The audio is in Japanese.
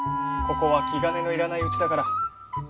ここは気兼ねのいらないうちだから。